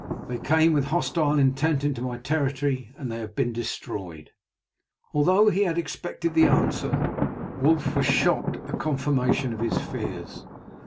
They came with hostile intent into my territory, and they have been destroyed." Although he had expected the answer, Wulf was shocked at the confirmation of his fears.